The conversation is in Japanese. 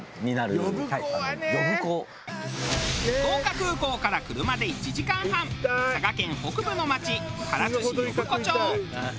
福岡空港から車で１時間半佐賀県北部の町唐津市呼子町。